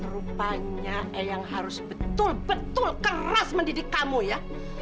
rupanya yang harus betul betul keras mendidik kamu ya